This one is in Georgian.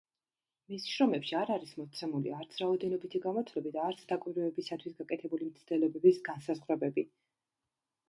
მის შრომებში არ არის მოცემული არც რაოდენობითი გამოთვლები და არც დაკვირვებისათვის გაკეთებული მცდელობების განსაზღვრებები.